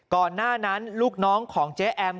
ก่อนหน้านั้นลูกน้องของเจ๊แอม